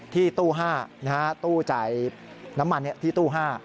ตู้๕ตู้จ่ายน้ำมันที่ตู้๕